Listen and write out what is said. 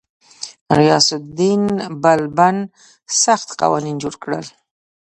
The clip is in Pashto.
غیاث الدین بلبن سخت قوانین جوړ کړل.